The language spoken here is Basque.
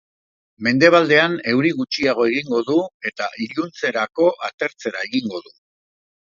Mendebaldean euri gutxiago egingo du, eta iluntzerako atertzera egingo du.